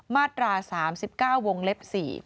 มาตรา๓๙วงเล็บ๔